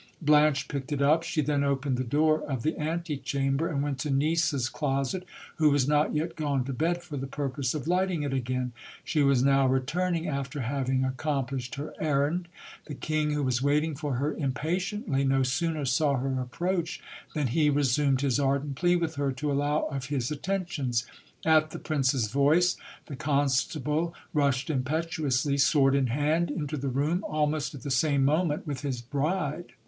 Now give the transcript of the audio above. Blanche picked it up. She then opened the door of the ante ianiber, and went to Nisa's closet, who was not yet gone to bed, for the pur se of lighting it again. She was now returning, after having accomplished :r errand. The king, who was waiting for her impatiently, no sooner saw 134 GIL BLAS. her approach, than he resumed his ardent plea with her, to allow of his atten tions. At the prince's voice, the constable rushed impetuously, sword in hand, into the room, almost at the same moment with his bride.